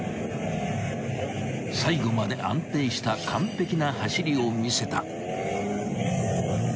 ［最後まで安定した完璧な走りを見せた］